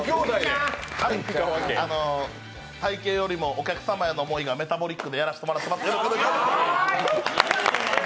体型よりもお客様への思いがメタボリックでやらせてもらってます。